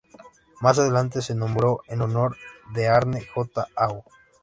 Más adelante se nombró en honor de Arne J. Aho.